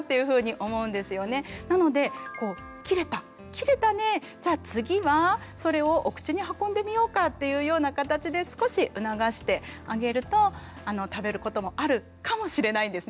切れたねじゃあ次はそれをお口に運んでみようか」っていうような形で少し促してあげると食べることもあるかもしれないんですね。